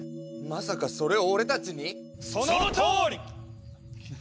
まさかそれを俺たちに⁉そのとおり！